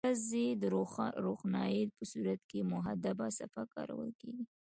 د ورځې د روښنایي په صورت کې محدبه صفحه کارول کیږي.